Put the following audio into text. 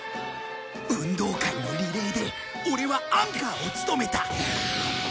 運動会のリレーでオレはアンカーを務めた。